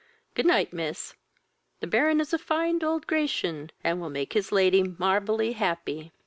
Good night, miss; the Baron is a fine old Gracian, and will make his lady marvelly happy."